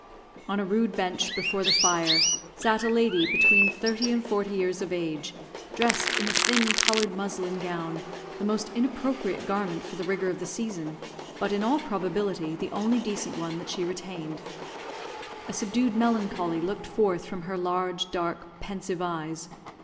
On a rude bench, before the fire, sat a lady, between thirty and forty years of age, dressed in a thin, coloured muslin gown, the most inappropriate garment for the rigour of the season, but, in all probability, the only decent one that she retained. A subdued melancholy looked forth from her large, dark, pensive eyes.